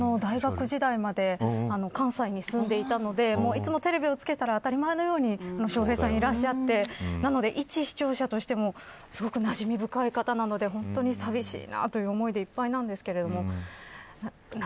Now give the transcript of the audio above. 私も大学時代まで関西に住んでいたのでテレビをつけたら当たり前のように笑瓶さんがいらっしゃってなのでいち視聴者としてもなじみ深い方なので寂しいという思いでいっぱいです。